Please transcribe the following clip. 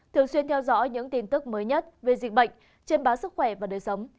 thường xuyên theo dõi những tin tức mới nhất về dịch bệnh trên báo sức khỏe và đời sống